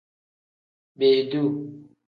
Beeduu.